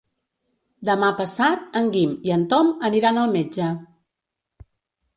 Demà passat en Guim i en Tom aniran al metge.